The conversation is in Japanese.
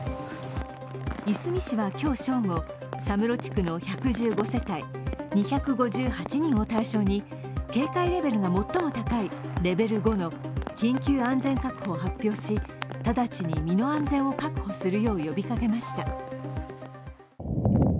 いすみ市は今日正午、佐室地区の１１５世帯、２５８人を対象に警戒レベルが最も高いレベル５の緊急安全確保を発表し、直ちに身の安全を確保するよう呼びかけました。